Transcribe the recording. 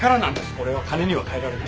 これは金には換えられない。